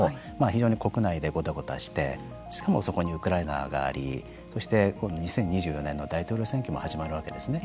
非常に国内でごたごたしてしかもそこにウクライナがありそして２０２４年の大統領選挙も始まるわけですね。